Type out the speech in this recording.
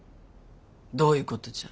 どういうことじゃ？